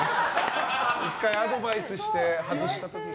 １回アドバイスして外したことが。